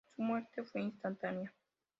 Su muerte fue instantánea.